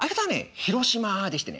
広島でしてね。